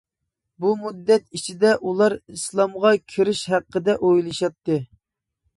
بۇ مۇددەت ئىچىدە ئۇلار ئىسلامغا كىرىش ھەققىدە ئويلىشاتتى.